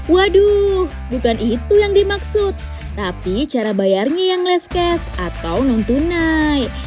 waduh bukan itu yang dimaksud tapi cara bayarnya yang less cash atau non tunai